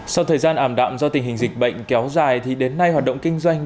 sau thời gian ảm đạm do tình hình dịch bệnh kéo dài thì đến nay hoạt động kinh doanh